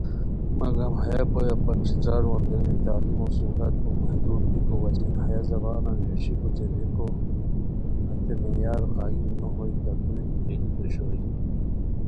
مگم ہیہ پویا پت ݯھترارو اندرینی تعلیمو سہولت بو محدود بیکو وجہین ہیہ زبانہ نیوشیکو اوچے ریکو ہتے معیار قائم نوہوئے کندوری کی بیلیک اوشوئے